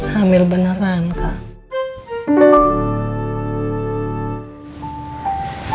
hamil beneran kak